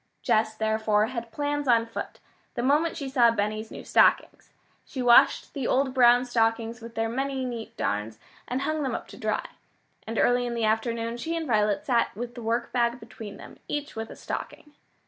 Jess, therefore, had plans on foot, the moment she saw Benny's new stockings. She washed the old brown stockings with their many neat darns, and hung them up to dry. And early in the afternoon she and Violet sat with the workbag between them, each with a stocking.